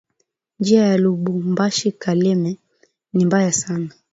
Njia ya lubumbashi kalemie ni mbaya sana